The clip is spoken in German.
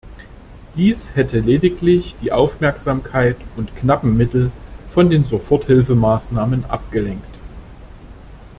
Dies hätte lediglich die Aufmerksamkeit und knappen Mittel von den Soforthilfemaßnahmen abgelenkt.